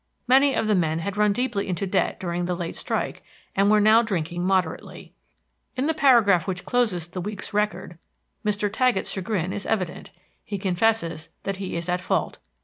Many of the men had run deeply into debt during the late strike, and were now drinking moderately. In the paragraph which closes the week's record Mr. Taggett's chagrin is evident. He confesses that he is at fault.